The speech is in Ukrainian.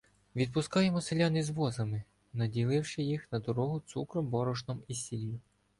Відпускаємо селян із возами, наділивши їх на дорогу цукром, борошном і сіллю.